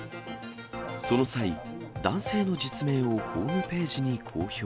その際、男性の実名をホームページに公表。